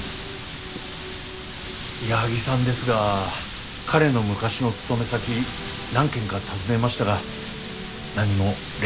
矢作さんですが彼の昔の勤め先何軒か尋ねましたが何も連絡はないと。